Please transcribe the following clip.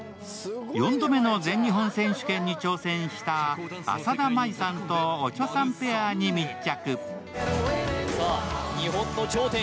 ４度目の全日本選手権に挑戦した、浅田舞さんとオチョさんペアに密着。